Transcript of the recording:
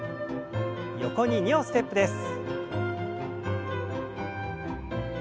横に２歩ステップです。